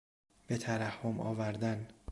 به ترحم آوردن